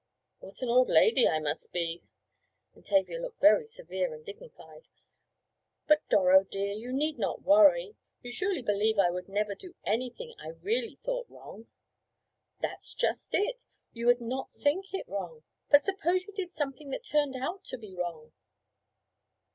"What an old lady I must be," and Tavia looked very severe and dignified. "But, Doro dear, you need not worry. You surely believe I would never do anything I really thought wrong." "That's just it. You would not think it wrong, but suppose you did something that turned out to be wrong?"